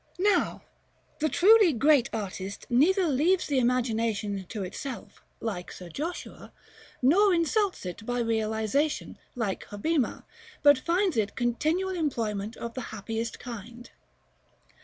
Now, the truly great artist neither leaves the imagination to itself, like Sir Joshua, nor insults it by realization, like Hobbima, but finds it continual employment of the happiest kind.